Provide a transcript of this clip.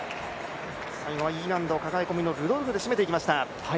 最後はＥ難度、かかえ込みのルドルフで締めていきました。